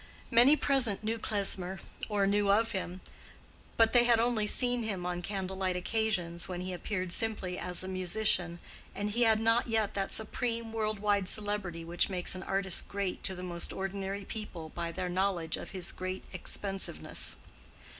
Many present knew Klesmer, or knew of him; but they had only seen him on candle light occasions when he appeared simply as a musician, and he had not yet that supreme, world wide celebrity which makes an artist great to the most ordinary people by their knowledge of his great expensiveness.